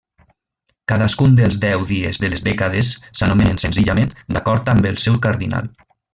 Cadascun dels deu dies de les dècades s'anomenen, senzillament, d'acord amb el seu cardinal.